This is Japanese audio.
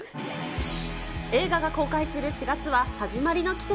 映画が公開する４月は始まりの季節。